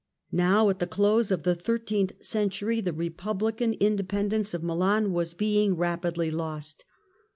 Now, at the close of the thirteenth century, the republican independence of Milan was being rapidly lost.